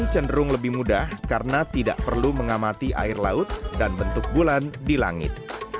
cenderung lebih mudah karena tidak perlu mengamati air laut dan bentuk bulan di langit